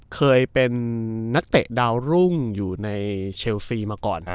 เคยเป็นนักเตะดาวรุ่งอยู่ในเชลซีมาก่อน